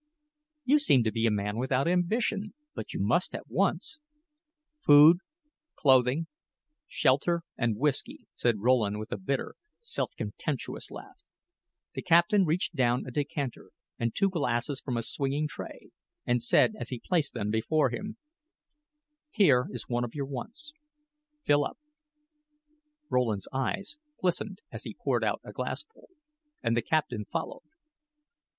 "You seem to be a man without ambition; but you must have wants." "Food, clothing, shelter and whisky," said Rowland with a bitter, self contemptuous laugh. The captain reached down a decanter and two glasses from a swinging tray and said as he placed them before him: "Here is one of your wants; fill up." Rowland's eyes glistened as he poured out a glassful, and the captain followed.